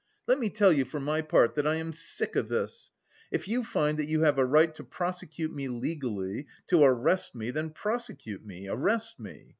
Let me tell you for my part that I am sick of this. If you find that you have a right to prosecute me legally, to arrest me, then prosecute me, arrest me.